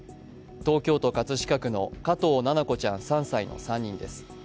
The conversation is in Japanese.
東京都葛飾区の加藤七菜子ちゃん３歳の３人です。